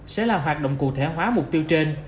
sẽ là hoạt động cụ thể hóa mục tiêu trên